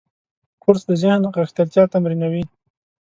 کورس د ذهن غښتلتیا تمرینوي.